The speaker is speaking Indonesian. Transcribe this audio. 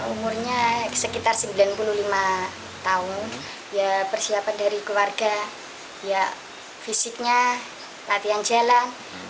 umurnya sekitar sembilan puluh lima tahun ya persiapan dari keluarga ya fisiknya latihan jalan